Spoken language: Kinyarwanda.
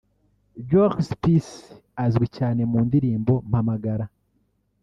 Jolis Peace azwi cyane mu ndirimbo ‘Mpamagara’